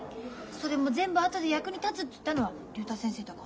それも全部後で役に立つ」っつったのは竜太先生だかんね。